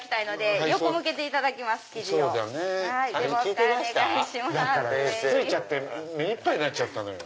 くっついちゃって目いっぱいになっちゃったのよ。